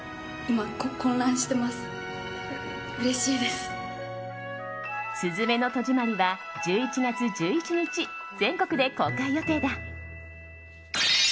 「すずめの戸締まり」は１１月１１日、全国で公開予定だ。